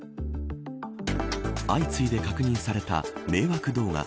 相次いで確認された迷惑動画。